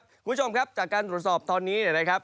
คุณผู้ชมครับจากการตรวจสอบตอนนี้นะครับ